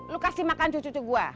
lu kasih makan cucu cucu gua